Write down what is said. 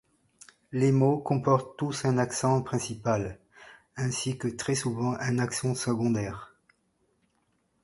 Les mots comportent tous un accent principal ainsi que, très souvent, un accent secondaire.